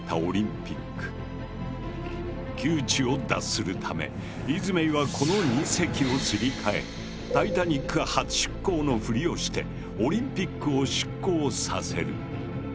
窮地を脱するためイズメイはこの２隻をすり替えタイタニック初出航のふりをしてオリンピックを出航させる。